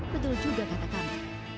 betul juga kata kami